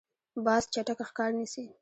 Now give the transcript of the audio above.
باز چټک ښکار نیسي.